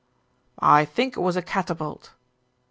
"I think it was a catapult."